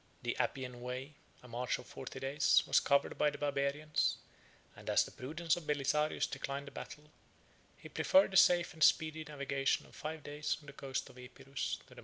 The Appian way, a march of forty days, was covered by the Barbarians; and as the prudence of Belisarius declined a battle, he preferred the safe and speedy navigation of five days from the coast of Epirus to the mouth of the Tyber.